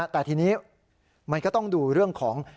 แต่ทีนี้มันก็ต้องดูเรื่องของ